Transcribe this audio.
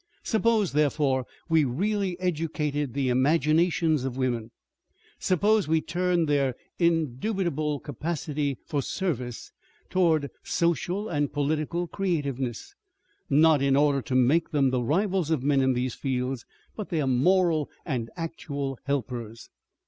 Suppose therefore we really educated the imaginations of women; suppose we turned their indubitable capacity for service towards social and political creativeness, not in order to make them the rivals of men in these fields, but their moral and actual helpers.